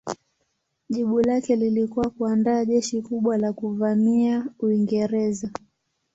Jibu lake lilikuwa kuandaa jeshi kubwa la kuvamia Uingereza.